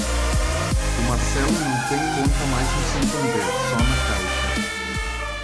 O Marcelo não tem conta mais no Santander, só na Caixa.